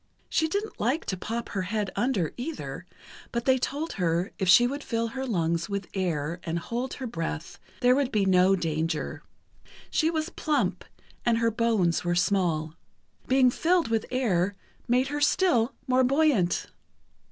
She didn't like to pop her head under, either, but they told her if she would fill her lungs with air and hold her breath, there would be no danger. She was plump, and her bones were small. Being filled with air made her still more buoyant.